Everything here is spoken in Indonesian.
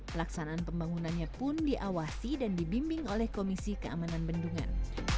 pelaksanaan pembangunannya pun diawasi dan dibimbing oleh komisi keamanan bendungan